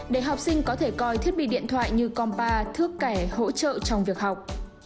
để học sinh có thể coi thiết bị điện thoại như compa thước cải hỗ trợ trong việc học